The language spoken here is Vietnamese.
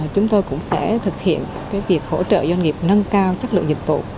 chúng tôi cũng sẽ thực hiện việc hỗ trợ doanh nghiệp nâng cao chất lượng dịch vụ